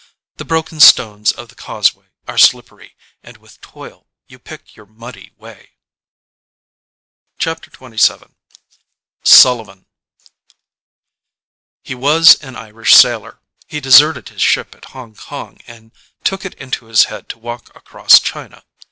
The broken stones of the causeway are slippery, and with toil you pick your muddy way. 106 XXVII SULLIVAN HE was an Irish sailor. He deserted his ship at Hong Kong and took it into his head to walk across China.